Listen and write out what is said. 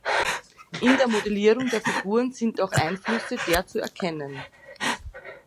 In der Modellierung der Figuren sind auch Einflüsse der zu erkennen.